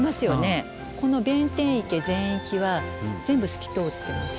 この弁天池全域は全部透き通ってます。